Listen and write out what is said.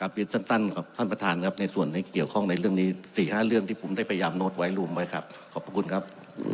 ก็ขออนุญาตกับครับท่านประธานครับในส่วนในเกี่ยวข้องในเรื่องนี้สี่ห้าเรื่องที่ขุมได้พยายามโน้นไวล์ลุมไว้ครับขอบพระคุณครับ